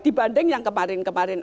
dibanding yang kemarin kemarin